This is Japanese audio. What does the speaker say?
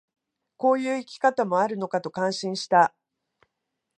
こういう生き方もあるのかと感心した